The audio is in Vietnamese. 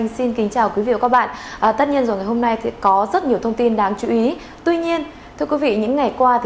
xin chào quý vị và các bạn